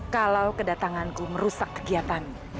kalau kedatanganku merusak kegiatan